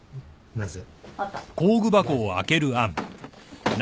なぜ？